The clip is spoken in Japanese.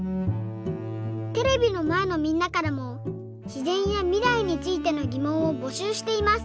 テレビのまえのみんなからもしぜんやみらいについてのぎもんをぼしゅうしています。